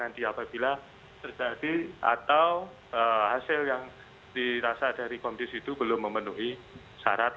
nanti apabila terjadi atau hasil yang dirasa dari komdis itu belum memenuhi syarat